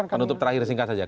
penutup terakhir singkat saja